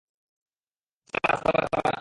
সারা Sara সারা!